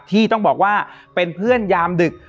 ที่ต้องบอกว่าเป็นเพื่อนยามดึก